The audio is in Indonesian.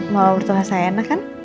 mau bertoha saya enak kan